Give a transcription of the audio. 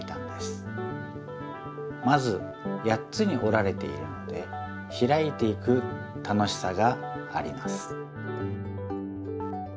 まず８つにおられているのでひらいていく楽しさがあります。